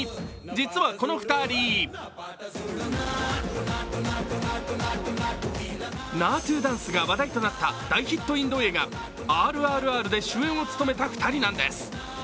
実はこの２人ナートゥダンスが話題となった大ヒット印度映画、「ＲＲＲ」で主演を務めた２人なんです。